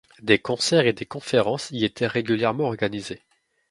Des concerts et des conférences y étaient régulièrement organisés.